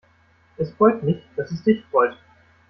Es freut mich, dass es dich freut.